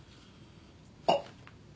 あっ！